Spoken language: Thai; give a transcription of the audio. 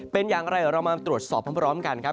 เป็นอย่างไรเรามาตรวจสอบพร้อมกันครับ